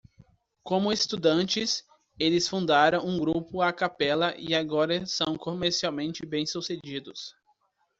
Como estudantes, eles fundaram um grupo a capella e agora são comercialmente bem-sucedidos.